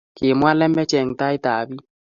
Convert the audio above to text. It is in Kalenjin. Kimwa lembech eng tait ab bik